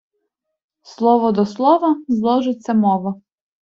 Слово до слова – зложиться мова.